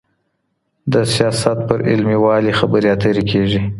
د سیاست پر علمي والي خبرې اترې کیږي.